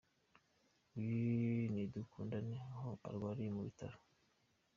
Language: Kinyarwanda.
Uyu ni Dukundane aho arwariye mu bitaro.